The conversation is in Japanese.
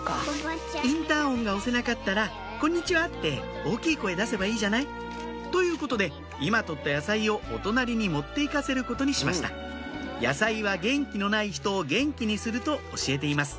インターホンが押せなかったら「こんにちは」って大きい声出せばいいじゃないということで今取った野菜をお隣に持っていかせることにしました野菜は元気のない人を元気にすると教えています